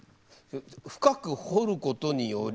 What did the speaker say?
深く掘ることにより。